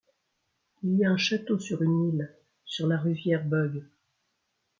Il y a un château sur une île sur la rivière Bug.